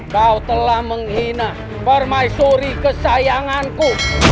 kau telah menghina permaisuri kesayanganku